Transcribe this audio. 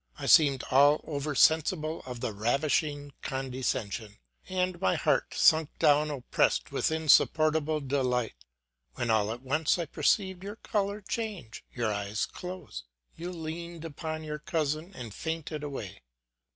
I seemed all over sen sible of the ravishing condescension, and my heart sunk down oppressed with insupportable delight : when all at once I perceived your color change, your eyes close ; you leaned upon your cousin and fainted away.